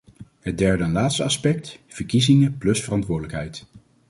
Het derde en laatste aspect: verkiezingen plus verantwoordelijkheid.